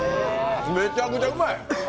めちゃくちゃうまい！